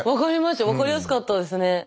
分かりやすかったですね。